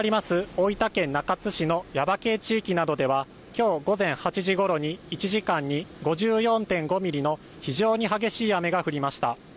大分県中津市の耶馬渓地域などでは、今日午前８時ごろに一時間に５４．５ミリの非常に激しい雨が降りました。